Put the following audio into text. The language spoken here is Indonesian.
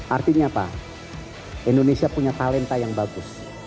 artinya apa indonesia punya talenta yang bagus